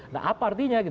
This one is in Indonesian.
nah apa artinya